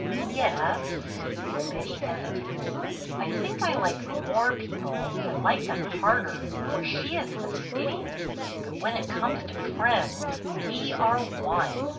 " Ye s s." Betty hesitated. "I think I like more people and like them harder, for she is fastidious. But when it comes to friends, we are one."